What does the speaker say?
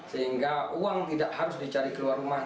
sehingga uang tidak harus dicari keluar rumah